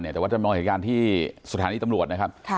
แต่ว่าจำลองเหตุการณ์ที่สถานีตำรวจนะครับ